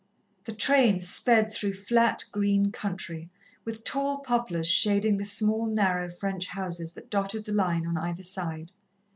The train sped through flat, green country, with tall poplars shading the small, narrow French houses that dotted the line on either side.